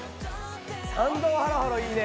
参道ハロハロいいね。